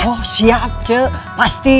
oh siap ce pasti